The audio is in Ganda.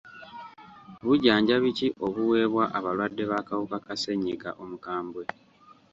Bujjanjabi ki obuweebwa abalwadde b'akawuka ka ssenyiga omukambwe?